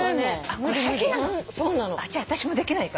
じゃあ私もできないかな。